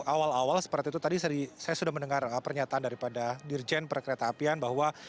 awal awal seperti itu tadi saya sudah mendengar pernyataan daripada dirjen perkereta apian bahwa